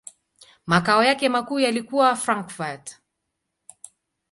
Makao yake makuu yalikuwa Frankfurt.